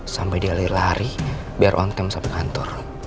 sampai dia lari lari biar on time sampai kantor